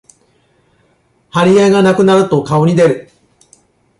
張り合いがなくなると顔に出る